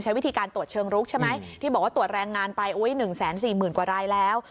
วิธีการตรวจเชิงลุกใช่ไหมที่บอกว่าตรวจแรงงานไป๑๔๐๐๐กว่ารายแล้ว